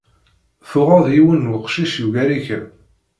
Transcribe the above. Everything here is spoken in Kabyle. Tuɣeḍ yiwen n weqcic yugar-ikem.